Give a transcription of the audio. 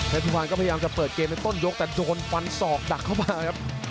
สุพรรณก็พยายามจะเปิดเกมในต้นยกแต่โดนฟันศอกดักเข้ามาครับ